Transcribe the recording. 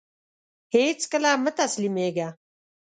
هيڅکله مه تسلميږه !